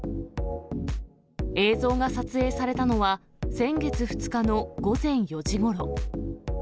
映像が撮影されたのは、先月２日の午前４時ごろ。